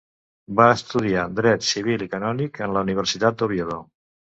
Va estudiar Dret civil i canònic en la Universitat d'Oviedo.